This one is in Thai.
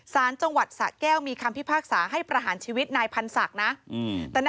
สารจังหวัดสะแก้วมีคำพิพากษาให้ประหารชีวิตนายพันศักดิ์นะ